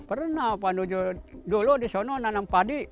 pernah dulu disana nanam padi